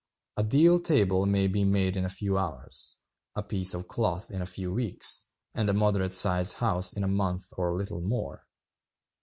A deal table may be made in a few hours, a piece of cloth in a few weeks, and a moderate sized house in a month or little more.